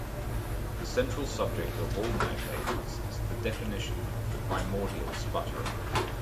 The central subject of all my fables is the definition of the primordial sputtering.